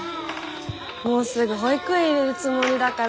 もうすぐ保育園入れるつもりだから心配なんです。